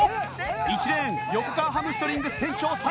１レーン横川ハムストリングス店長３１歳。